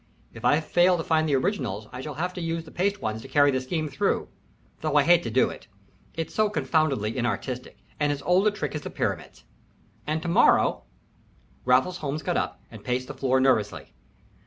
"If I fail to find the originals I shall have to use the paste ones to carry the scheme through, but I hate to do it. It's so confoundly inartistic and as old a trick as the pyramids." "And to morrow " Raffles Holmes got up and paced the floor nervously.